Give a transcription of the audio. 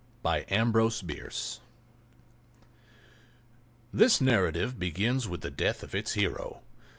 A JUG OF SIRUP THIS narrative begins with the death of its hero.